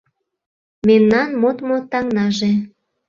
Мемнан модмо таҥнаже